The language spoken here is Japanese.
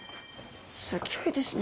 すギョいですね。